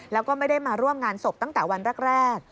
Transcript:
แล้วก็ไม่ได้มาร่วมงานศพตั้งแต่วันแรก